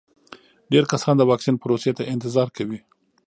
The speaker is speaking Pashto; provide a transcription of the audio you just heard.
ډېر کسان د واکسین پروسې ته انتظار کوي.